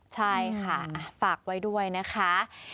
ใช่ค่ะฝากไว้ด้วยนะคะ